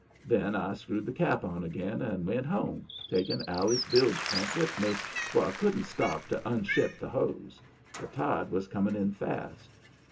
Then I screwed the cap on again and went home, taking Allie's bilge pump with me, for I couldn't stop to unship the hose. The tide was coming in fast.